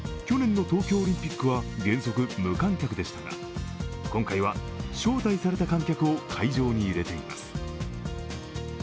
去年の東京オリンピックは原則、無観客でしたが、今回は招待された観客を会場に入れています。